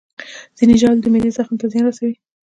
ځینې ژاولې د معدې زخم ته زیان رسوي.